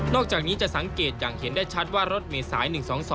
อกจากนี้จะสังเกตอย่างเห็นได้ชัดว่ารถเมษาย๑๒๒